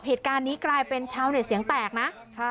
เหตุการณ์นี้กลายเป็นชาวเน็ตเสียงแตกนะ